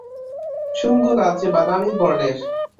শুঙ্গ লালচে-বাদামী বর্নের।